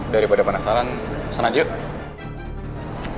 daripada penasaran susana jauh